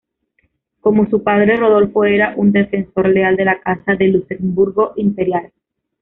Como su padre, Rodolfo era un defensor leal de la Casa de Luxemburgo imperial.